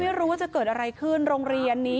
เชิงชู้สาวกับผอโรงเรียนคนนี้